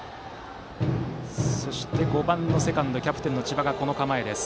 そして、５番のセカンドキャプテンの千葉がバントの構え。